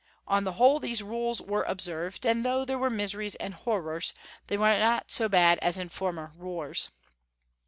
On the whole, these rules were observed ; and though there were miseries and horrors, they were not so bad as in former wars.